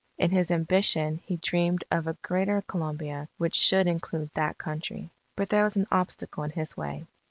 In his ambition he dreamed of a Greater Colombia which should include that country. But there was an obstacle in his way.